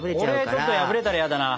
これちょっと破れたら嫌だな。